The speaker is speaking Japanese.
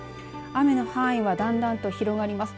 雨の範囲はだんだんと広がります。